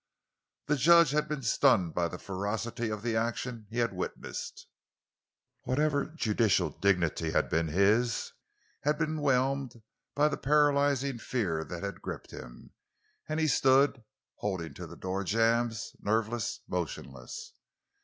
The judge had been stunned by the ferocity of the action he had witnessed. Whatever judicial dignity had been his had been whelmed by the paralyzing fear that had gripped him, and he stood, holding to the door jambs, nerveless, motionless.